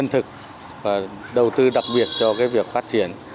thực và đầu tư đặc biệt cho cái việc phát triển